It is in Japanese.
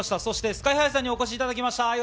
そしてＳＫＹーＨＩさんにお越しいただきました。